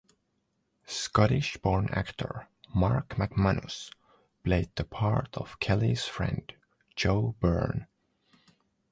Scottish-born actor Mark McManus played the part of Kelly's friend Joe Byrne.